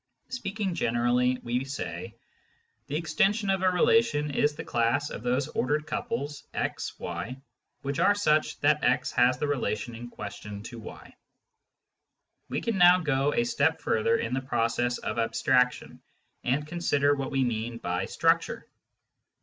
Speaking generally, we say : The " extension " of a relation is the class of those ordered couples (x, y) which are such that x has the relation in question to y. We can now go a step further in the process of abstraction, and consider what we mean by " structure."